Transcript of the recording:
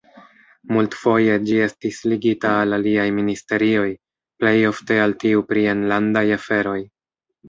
Multfoje ĝi estis ligita al aliaj ministerioj, plej ofte al tiu pri enlandaj aferoj.